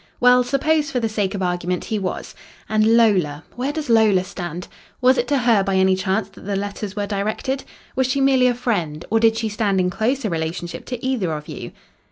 Well, suppose, for the sake of argument, he was. And Lola where does Lola stand? Was it to her, by any chance, that the letters were directed? Was she merely a friend, or did she stand in closer relationship to either of you?"